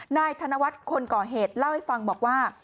นายธนวัฒน์คนก่อเหตุเล่าให้ฟังบอกว่า